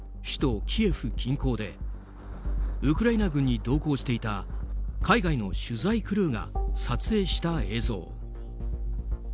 首都キエフ近郊でウクライナ軍に同行していた海外の取材クルーが撮影した映像。